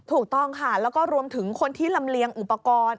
ถูกต้องค่ะแล้วก็รวมถึงคนที่ลำเลียงอุปกรณ์